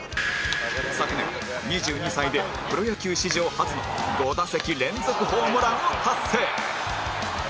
昨年２２歳でプロ野球史上初の５打席連続ホームランを達成